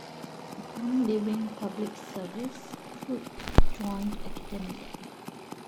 Upon leaving public service, Fuerth joined academia.